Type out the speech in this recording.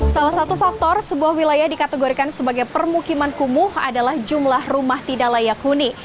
salah satu faktor sebuah wilayah dikategorikan sebagai permukiman kumuh adalah jumlah rumah tidak layak huni